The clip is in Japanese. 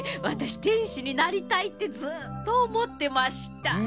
わたしてんしになりたいってずっとおもってました。